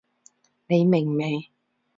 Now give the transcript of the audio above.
你明未？